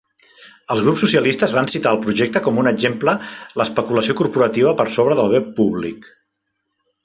Els grups socialistes van citar el projecte com un exemple l'especulació corporativa per sobre del bé públic.